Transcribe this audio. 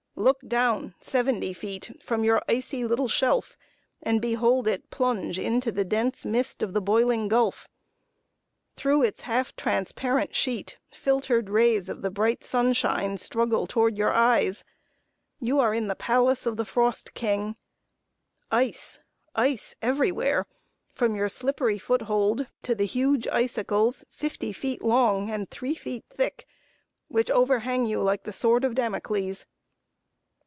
Look down seventy feet from your icy little shelf, and behold it plunge into the dense mist of the boiling gulf. Through its half transparent sheet, filtered rays of the bright sunshine struggle toward your eyes. You are in the palace of the Frost King. Ice ice everywhere, from your slippery foothold to the huge icicles, fifty feet long and three feet thick, which overhang you like the sword of Damocles.